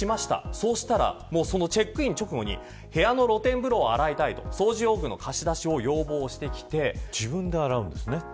そうしたら、チェックイン直後に部屋の露天風呂は洗いたいと掃除用具の貸し出しを要望してきました。